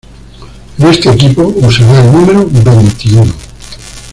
En este equipo usará el número veintiuno.